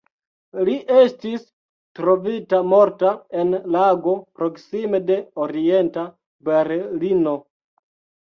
Li estis trovita morta en lago proksime de Orienta Berlino.